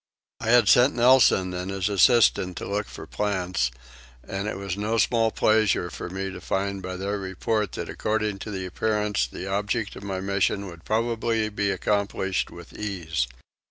I had sent Nelson and his assistant to look for plants, and it was no small pleasure to me to find by their report that according to appearances the object of my mission would probably be accomplished with ease.